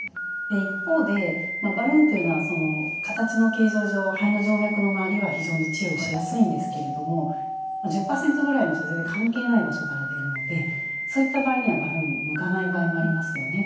一方でバルーンというのは形の形状上肺の静脈の周りは非常に治療しやすいんですけれども１０％ぐらいの人は全然関係ない場所から出るのでそういった場合にはバルーン向かない場合もありますよね。